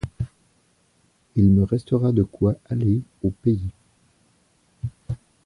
Il me restera de quoi aller au pays.